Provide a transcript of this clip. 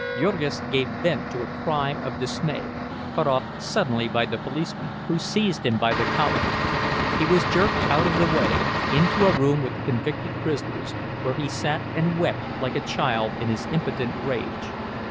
Jurgis gave vent to a cry of dismay, cut off suddenly by the policeman, who seized him by the collar. He was jerked out of the way, into a room with the convicted prisoners, where he sat and wept like a child in his impotent rage.